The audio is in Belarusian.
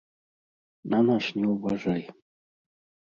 На нас не ўважай.